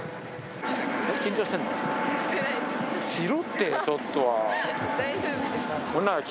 しろって、ちょっとは。